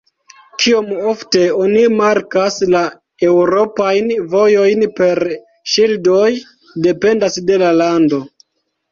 Kiom ofte oni markas la eŭropajn vojojn per ŝildoj, dependas de la lando.